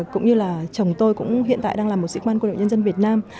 cũng như là chồng tôi cũng hiện tại đang là một sĩ quan quân đội nhân dân việt nam